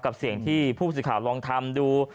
กับเสียงที่ผู้สิทธิ์ข่าวลองทำดู